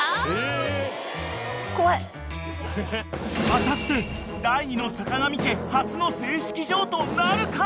［果たして第２の坂上家初の正式譲渡なるか？］